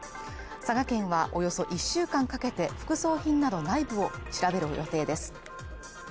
佐賀県はおよそ１週間かけて、副葬品など内部を調べる予定です。